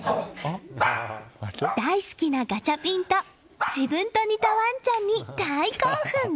大好きなガチャピンと自分と似たワンちゃんに大興奮！